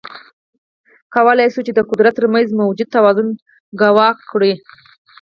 کولای شي د قدرت ترمنځ موجوده توازن کاواکه کړي.